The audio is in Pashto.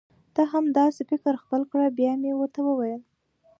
ته هم دا سي فکر خپل کړه بیا مي ورته وویل: